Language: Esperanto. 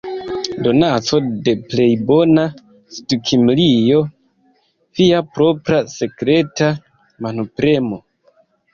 Donaco de plej bona Sudkimrio - via propra sekreta manpremo!